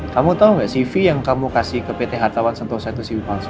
kamu tahu nggak cv yang kamu kasih ke pt hartawan sentosa itu cv palsu